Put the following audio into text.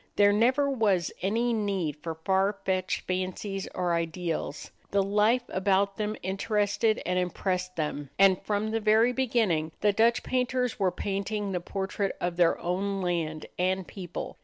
There never was any need for far fetched fancies or ideals. The life about them interested and impressed them, and, from the very beginning, the Dutch painters were painting the portrait of their own land and people.